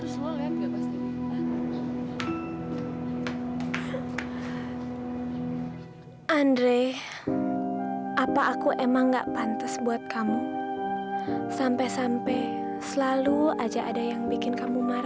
sampai jumpa di video selanjutnya